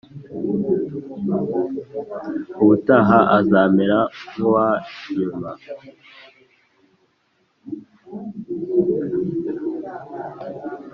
ubutaha azamera nkuwanyuma